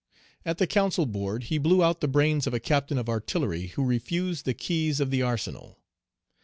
At the council board, he blew out the brains of a captain of artillery who refused the keys of the arsenal.